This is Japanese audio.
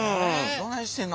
どないしてんの？